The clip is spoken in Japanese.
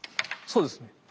そうですね！